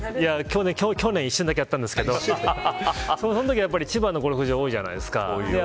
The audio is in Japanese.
去年、一瞬だけやったんですけどそのときやっぱり、千葉にゴルフ場あるじゃないですか。